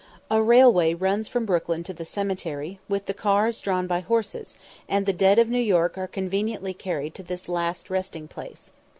A railway runs from Brooklyn to the cemetery, with the cars drawn by horses, and the dead of New York are conveniently carried to this last resting place.